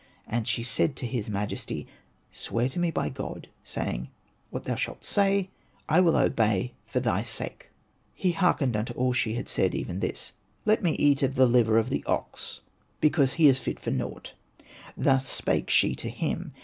And she said to his majesty, " Swear to me bv God, saying, ' What thou shalt say, I will obey it for thy sake.' " He hearkened unto all that she said, even this. '' Let me eat of the hver of the ox, because he is fit for nought :" thus spake she to him.